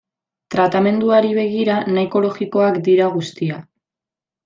Tratamenduari begira nahiko logikoak dira guztiak.